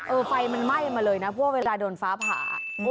ไฟมันไหม้มาเลยนะเพราะว่าเวลาโดนฟ้าผ่า